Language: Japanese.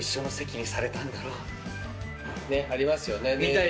ありますよね。